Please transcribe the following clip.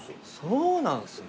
そうなんすね。